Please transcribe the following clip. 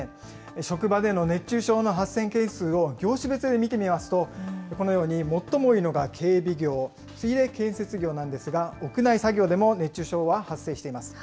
職場での熱中症の発生件数を業種別で見てみますと、このように最も多いのが警備業、次いで建設業なんですが、屋内作業でも熱中症は発生しています。